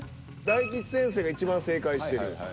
大吉先生がいちばん正解してる。